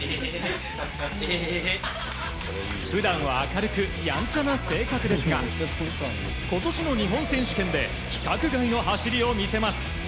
普段は明るくやんちゃな性格ですが今年の日本選手権で規格外の走りを見せます。